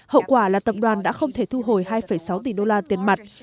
hậu quả là tập đoàn đã không thể thu hồi hai sáu tỷ đô la tiền mặt